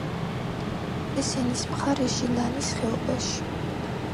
ჰესენის მხარეში, ლანის ხეობაში.